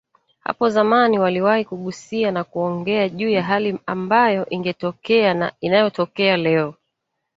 hapo zamani waliwahi kugusia na kuongea juu ya hali ambayo ingetokea na inayotokea leo